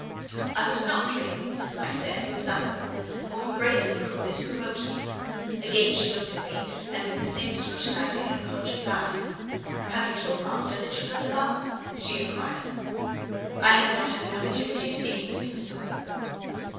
"I was not dreaming," I said, with some warmth, for her brazen coolness provoked me. Again she looked at me; and with the same scrutinising and conscious eye. "Have you told master that you heard a laugh?" she inquired. "I have not had the opportunity of speaking to him this morning."